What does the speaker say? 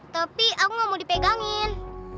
tapi aku gak mau dipegangin